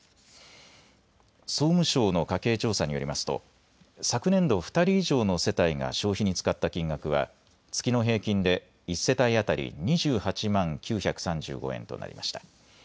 総務省の家計調査によりますと昨年度２人以上の世帯が消費に使った金額は月の平均で１世帯当たり２８万９３５円となりました。